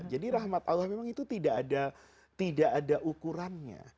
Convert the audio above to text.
jadi rahmat allah memang itu tidak ada ukurannya